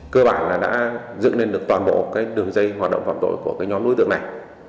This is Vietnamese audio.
cơ bản là đã dựng lên được toàn bộ cái đường dây hoạt động phạm tội của cái nhóm đối tượng này